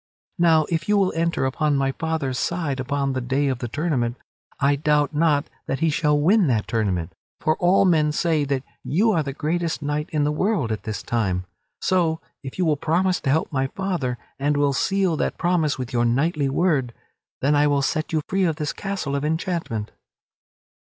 Now if you will enter upon my father's side upon the day of the tournament, I doubt not that he shall win that tournament; for all men say that you are the greatest knight in the world at this time. So if you will promise to help my father and will seal that promise with your knightly word, then will I set you free of this castle of enchantment."